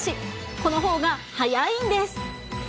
このほうが速いんです。